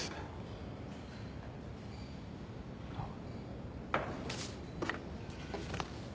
あっ。